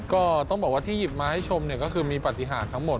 ก็ต้องบอกว่าที่หยิบมาให้ชมก็คือมีปฏิหารทั้งหมด